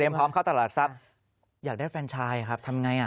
แผนการเข้าตลาดทรัพย์อยากได้แฟนชายครับทำยังไง